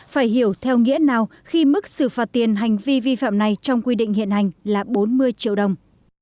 phải hiểu theo nghĩa nào khi mức xử phạt tiền hành vi vi phạm này trong quy định hiện hành là bốn mươi triệu đồng